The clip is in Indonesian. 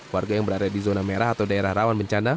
warga yang berada di zona merah atau daerah rawan bencana